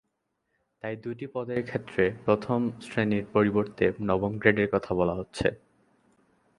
তাই দুটি পদের ক্ষেত্রে প্রথম শ্রেণির পরিবর্তে নবম গ্রেডের কথা বলা হচ্ছে।